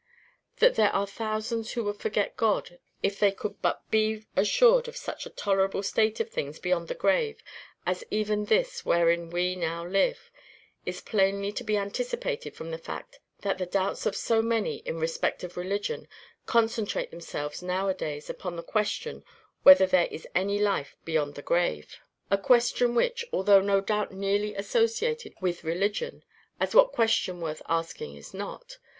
That there are thousands who would forget God if they could but be assured of such a tolerable state of things beyond the grave as even this wherein we now live, is plainly to be anticipated from the fact that the doubts of so many in respect of religion concentrate themselves now a days upon the question whether there is any life beyond the grave; a question which, although no doubt nearly associated with religion, as what question worth asking is not?